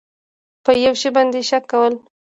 په یو شي باندې شک کول